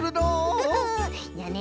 じゃあね